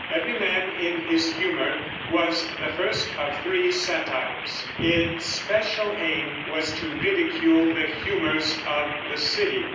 Every Man in His Humour was the first of three satires. Its special aim was to ridicule the humors of the city.